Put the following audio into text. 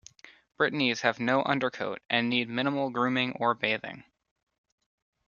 Brittanys have no undercoat and need minimal grooming or bathing.